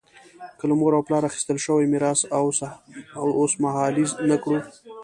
که له مور او پلار اخیستل شوی میراث اوسمهالیز نه کړو.